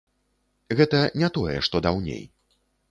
Гэта не тое, што даўней.